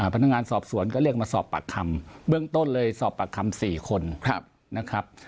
พนักงานสอบสวนก็เรียกมาสอบปากคำเบื้องต้นเลยสอบปากคำ๔คนนะครับ